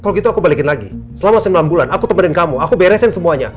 kalau gitu aku balikin lagi selama sembilan bulan aku temenin kamu aku beresin semuanya